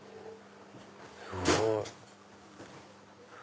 すごい。